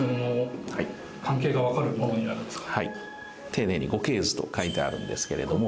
丁寧に御系図と書いてあるんですけれども。